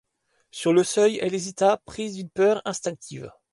Sur le seuil, elle hésita, prise d'une peur instinctive.